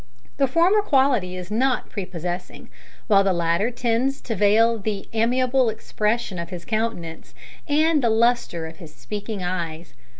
The former quality is not prepossessing, while the latter tends to veil the amiable expression of his countenance and the lustre of his speaking eyes.